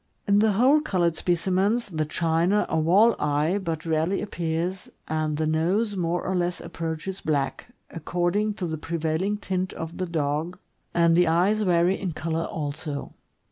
In the whole colored specimens, the china or wall eye but rarely appears, and the nose more or less approaches black, according to the prevailing tint of the dog, and the eyes vary in color also.